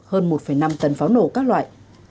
hơn một năm tần pháo nổ các loại